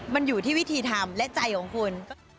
มันอยู่ที่วิธีทำและใจของคุณ